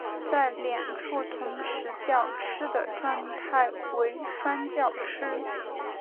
在两处同时叫吃的状态为双叫吃。